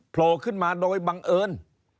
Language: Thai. โผล่ขึ้นมาโดยบังเอิญ